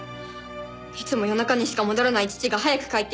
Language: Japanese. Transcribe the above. いつも夜中にしか戻らない父が早く帰ってきた。